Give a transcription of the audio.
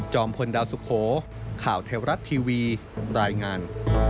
พลดาวสุโขข่าวเทวรัฐทีวีรายงาน